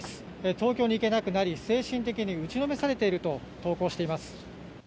東京に行けなくなり精神的に打ちのめされていると投稿しています。